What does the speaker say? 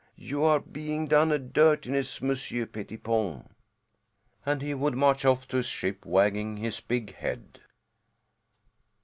You are being done a dirtiness, Monsieur Pettipon." And he would march off to his ship, wagging his big head.